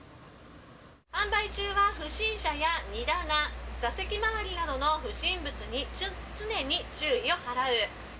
販売中は不審者や荷棚、座席周りなどの不審物に常に注意を払う。